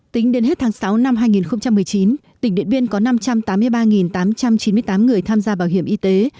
tính đến hết tháng sáu năm hai nghìn một mươi chín tỉnh điện biên có năm trăm tám mươi ba tám trăm chín mươi tám người tham gia bảo hiểm y tế